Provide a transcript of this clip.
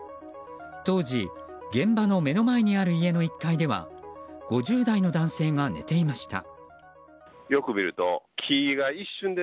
当時、現場の目の前にある家の１階では５０代の男性が寝ていました。